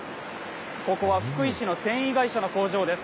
ここは福井市の繊維会社の工場です。